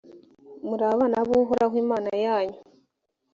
muri abana b’uhoraho imana yanyu.